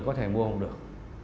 có thể mua không được